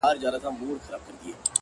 خدايه هغه داسي نه وه-